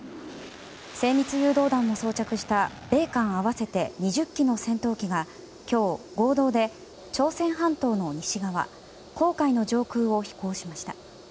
精密誘導弾も装着した米韓合わせて２０機の戦闘機が今日、合同で朝鮮半島の西側黄海の上空を飛行しました。